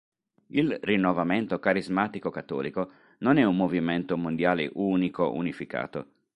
Il Rinnovamento carismatico cattolico non è un movimento mondiale unico, unificato.